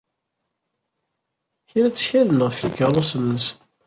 Kra ttkalen ɣef yikeṛṛusen-nsen.